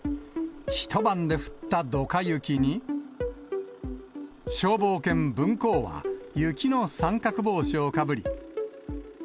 一晩で降ったドカ雪に、消防犬、ぶん公は雪の三角帽子をかぶり。